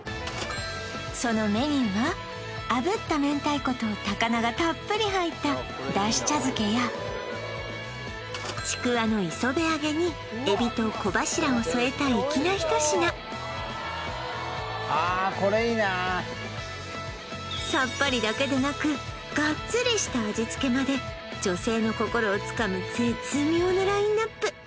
そのメニューは炙った明太子と高菜がたっぷり入っただし茶漬けやちくわの磯辺揚げに海老と小柱を添えた粋な一品さっぱりだけでなくガッツリした味付けまで女性の心をつかむ絶妙なラインナップ